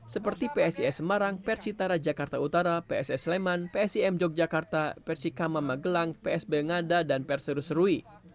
seperti psis semarang persitara jakarta utara pss leman psim yogyakarta persikama magelang psb ngada dan perseru serui